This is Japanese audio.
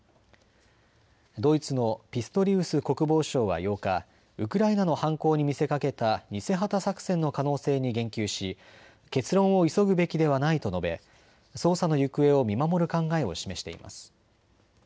ドイツのピストリウス国防相は８日、ウクライナの犯行に見せかけた偽旗作戦の可能性に言及し結論を急ぐべきではないと述べ捜査の行方を見守る考えを示しています。